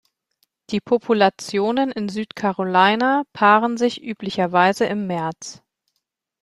Die Populationen in Süd-Carolina paaren sich üblicherweise im März.